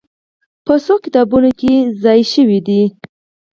په څو کتابونو کې ځای شوې دي.